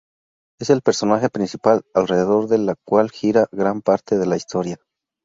Es el personaje principal, alrededor del cual gira gran parte de la historia.